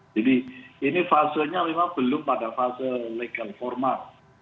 jadi ini fasenya memang belum pada fase legal format